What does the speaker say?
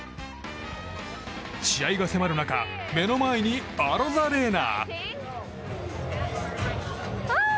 試合が迫る中目の前にアロザレーナ！